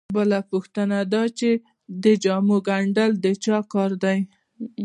بله پوښتنه دا چې د جامو ګنډل د چا کار دی